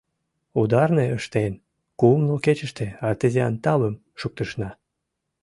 Ударне ыштен, кумло кечыште артезиан тавым шуктышна.